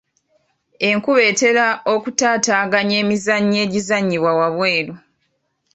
Enkuba etera okutaataaganya emizannyo egizannyibwa waabweru.